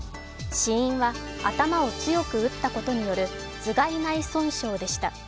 死因は頭を強く打ったことによる頭蓋内損傷でした。